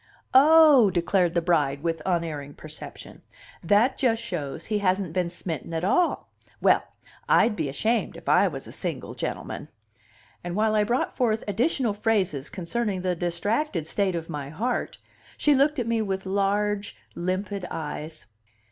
"Oh!" declared the bride with unerring perception, "that just shows he hasn't been smitten at all! Well, I'd be ashamed, if I was a single gentleman." And while I brought forth additional phrases concerning the distracted state of my heart, she looked at me with large, limpid eyes.